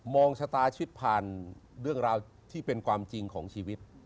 ชะตาชีวิตผ่านเรื่องราวที่เป็นความจริงของชีวิต